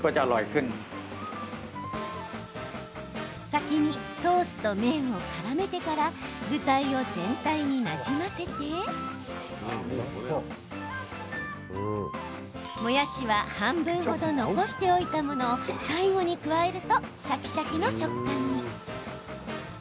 先に、ソースと麺をからめてから具材を全体になじませてもやしは半分ほど残しておいたものを最後に加えるとシャキシャキの食感に。